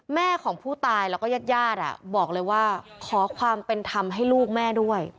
แม่ของผู้ตายแล้วก็ญาติญาติบอกเลยว่าขอความเป็นธรรมให้ลูกแม่ด้วย